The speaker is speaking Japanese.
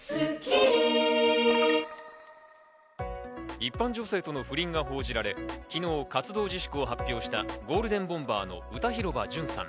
一般女性との不倫が報じられ、昨日活動自粛を発表したゴールデンボンバーの歌広場淳さん。